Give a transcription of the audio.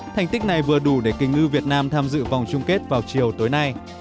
thành tích này vừa đủ để kinh ngư việt nam tham dự vòng chung kết vào chiều tối nay